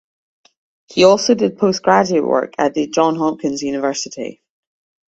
He also did post-graduate work at The Johns Hopkins University.